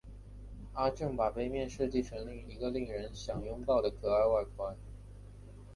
阿正把杯面设计成一个令人想拥抱的可爱外观。